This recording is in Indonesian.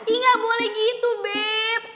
ih gak boleh gitu beb